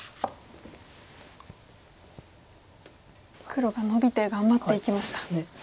黒がノビて頑張っていきました。